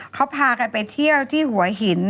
เขาพากันไปเที่ยวที่หัวหิน